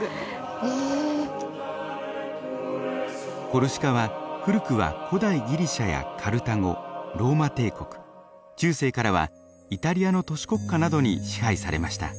コルシカは古くは古代ギリシャやカルタゴローマ帝国中世からはイタリアの都市国家などに支配されました。